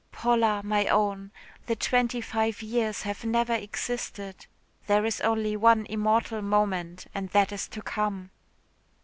"Paula, my own, the twenty five years have never existed. There is only one immortal moment and that is to come.